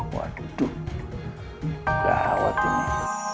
waduh gawat ini